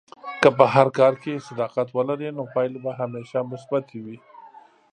که په هر کار کې صداقت ولرې، نو پایلې به همیشه مثبتې وي.